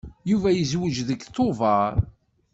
Yuba yezweǧ deg Tubeṛ.